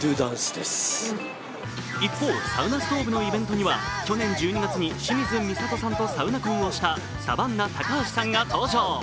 一方、サウナストーブのイベントには、去年１２月に清水みさとさんとサウナ婚をしたサバンナ高橋さんが登場。